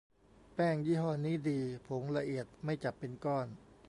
แป้งยี่ห้อนี้ดี ผงละเอียด ไม่จับเป็นก้อน